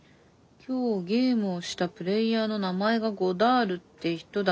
今日ゲームをしたプレーヤーの名前がゴダールって人だった。